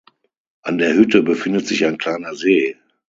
An der Hütte befindet sich ein kleiner See.